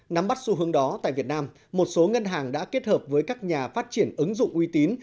nắm bắt xu hướng đó tại việt nam một số ngân hàng đã kết hợp với các nhà phát triển ứng dụng uy tín